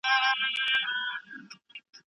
آيا سیاست او ټولنپوهنه سره تړلي دي؟